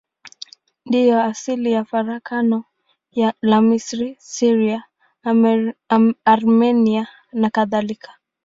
Ndiyo asili ya farakano la Misri, Syria, Armenia nakadhalika.